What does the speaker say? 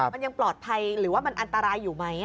มันยังปลอดภัยหรือว่ามันอันตรายอยู่ไหม